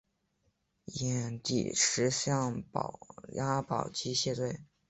寅底石向阿保机谢罪。